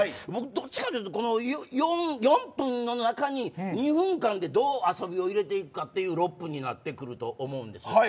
どちらかというと４分の中に２分間でどう遊びを入れていくかという６分になってくると思うんです。